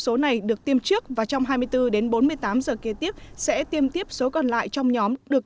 số này được tiêm trước và trong hai mươi bốn đến bốn mươi tám giờ kế tiếp sẽ tiêm tiếp số còn lại trong nhóm được